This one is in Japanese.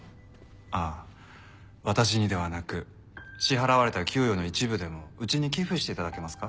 あっ私にではなく支払われた給与の一部でもうちに寄付して頂けますか？